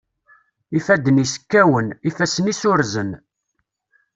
Ifadden-is kkawen, ifassen-is urzen.